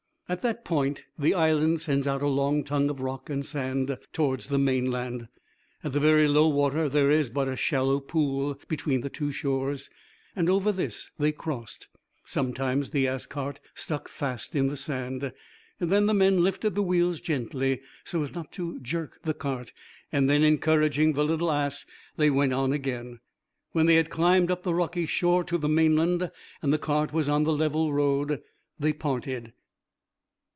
At that point the Island sends out a long tongue of rock and sand towards the mainland. At very low water there is but a shallow pool between the two shores; over this they crossed. Sometimes the ass cart stuck fast in the sand. Then the men lifted the wheels gently, so as not to jerk the cart, and then encouraging the little ass, they went on again. When they had climbed up the rocky shore to the mainland, and the cart was on the level road, they parted.